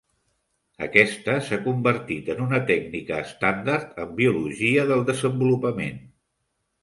Aquesta s'ha convertit en una tècnica estàndard en biologia del desenvolupament.